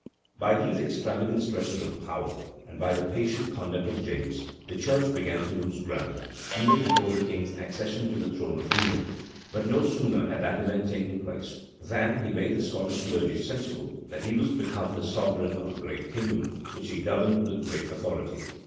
By these extravagant stretches of power, and by the patient conduct of James, the church began to lose ground, even before the king's accession to the throne of England; but no sooner had that event taken place, than he made the Scottish clergy sensible that he was become the sovereign of a great kingdom, which he governed with great, authority.